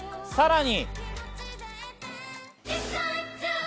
さらに。